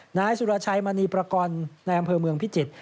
นายสุรชัยมณีประกอบในอำเภอเมืองพิจิตร